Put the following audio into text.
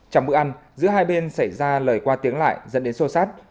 trong bữa ăn giữa hai bên xảy ra lời qua tiếng lại dẫn đến sô sát